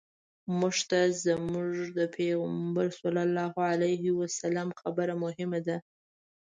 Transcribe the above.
موږ ته زموږ د پیغمبر صلی الله علیه وسلم خبره مهمه ده.